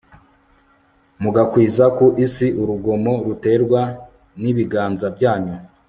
mugakwiza ku isi urugomo ruterwa n'ibiganza byanyu